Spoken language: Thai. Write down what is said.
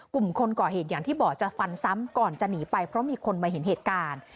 กลุ่มคนก่อเหตุอย่างที่บอกจะฟันซ้ำก่อนจะหนีไปเพราะมีคนมาเห็นเหตุการณ์